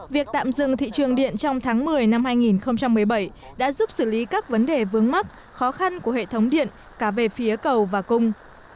việc tạm dừng thị trường điện trong tháng một mươi năm hai nghìn một mươi bảy đã giúp xử lý các vấn đề vướng mắc khó khăn của hệ thống điện cả về phía cầu và cung